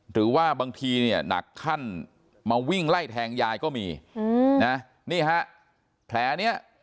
หรือว่าบางทีเนี่ยหนักขั้นมาวิ่งไล่แทงยายก็มีนะนี่ฮะแผลเนี่ย